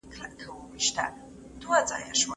اقتصادي مشاورين به د پانګوني په اړه خلګو ته مشورې ورکوي.